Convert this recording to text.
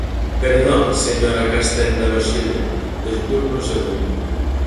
Perdón, señora Castenda Loxilde, desculpe un segundo.